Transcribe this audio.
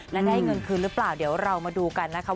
และได้เงินคืนหรือเปล่าเดี๋ยวเรามาดูกันนะคะ